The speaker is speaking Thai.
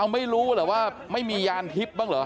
ไม่รู้เหรอว่าไม่มียานทิพย์บ้างเหรอ